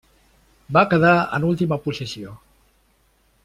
Va quedar en última posició.